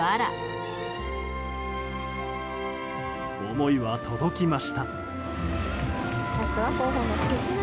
思いは届きました。